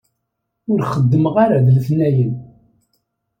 Ur xeddmeɣ ara d letnayen.